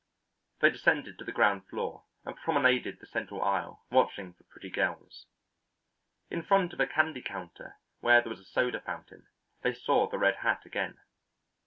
They descended to the ground floor and promenaded the central aisle watching for pretty girls. In front of a candy counter, where there was a soda fountain, they saw the red hat again.